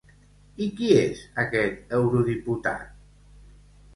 I qui és aquest eurodiputat?